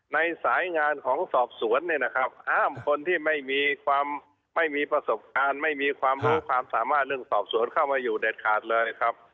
ในสายงานของสอบสวนเนี่ยนะครับห้ามคนที่ไม่มีความไม่มีประสบการณ์ไม่มีความรู้ความสามารถเรื่องสอบสวนเข้ามาอยู่เด็ดขาดเลยนะครับ